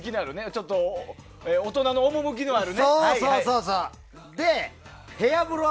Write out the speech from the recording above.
ちょっと大人の趣のあるね。